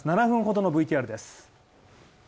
７分ほどのＶＴＲです。